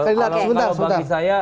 kalau bagi saya